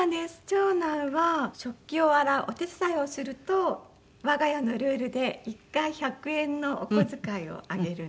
長男は食器を洗うお手伝いをすると我が家のルールで１回１００円のお小遣いをあげるんですね。